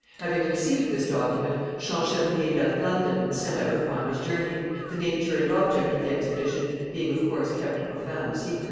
Having received this document, Champchevrier left London and set out upon his journey, the nature and object of the expedition being of course kept a profound secret.